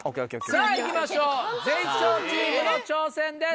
さぁいきましょうゼイチョーチームの挑戦です。